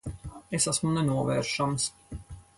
Es esmu nenovēršams.